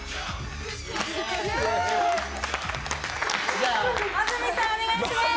じゃあ安住さんお願いします